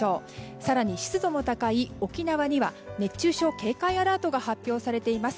更に湿度の高い沖縄には熱中症警戒アラートが発表されています。